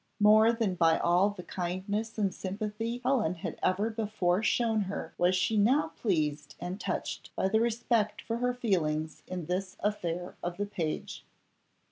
More than by all the kindness and sympathy Helen had ever before shown her was she now pleased and touched by the respect for her feelings in this affair of the page.